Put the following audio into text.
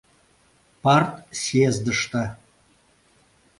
— Партсъездыште.